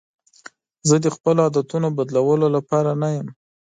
زه د خپلو عادتونو بدلولو لپاره نه یم.